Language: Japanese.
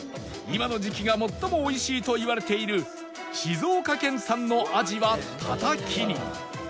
今の時期が最も美味しいといわれている静岡県産のアジはたたきに